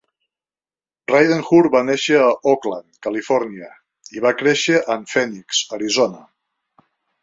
Ridenhour va nàixer en Oakland, Califòrnia, i va créixer en Phoenix, Arizona.